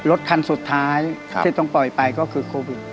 รถคันสุดท้ายที่ต้องปล่อยไปก็คือโควิด